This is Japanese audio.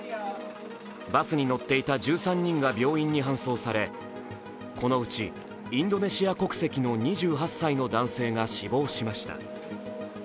バスに乗っていた１３人が病院に搬送され、このうち、インドネシア国籍の２８歳の男性が死亡しました。